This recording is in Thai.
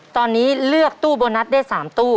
ตอนนี้เลือกตู้โบนัสได้๓ตู้